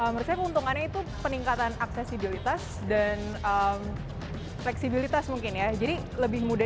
menurut saya keuntungannya itu peningkatan aksesibilitas dan fleksibilitas mungkin ya jadi lebih mudah